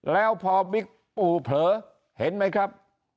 แล้วพอบิ๊กปู่เผลอเห็นไหมครับ